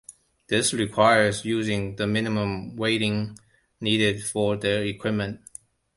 This requires using the minimum weighting needed for their equipment.